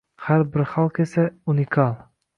Har bir xalq esa – unikal.